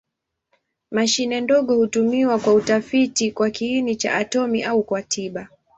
Mashine ndogo hutumiwa kwa utafiti kwa kiini cha atomi au kwa tiba.